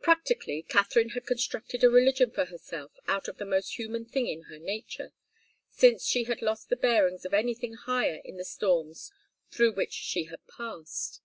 Practically, Katharine had constructed a religion for herself out of the most human thing in her nature, since she had lost the bearings of anything higher in the storms through which she had passed.